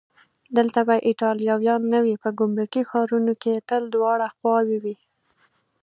دلته به ایټالویان نه وي؟ په ګمرکي ښارونو کې تل دواړه خواوې وي.